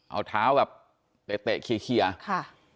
เอาเท้าแบบเตะเคลียร์ค่ะ